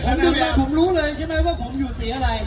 ผมดึงมาผมรู้เลยใช่ไหมว่าผมอยู่สีอะไร